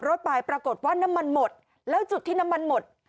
รถไปปรากฏว่าน้ำมันหมดแล้วจุดที่น้ำมันหมด